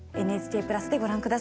「ＮＨＫプラス」でご覧下さい。